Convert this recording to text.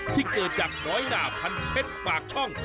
ที่เกิดจากน้อยน่าพันธุ์เผ็ดปากช่อง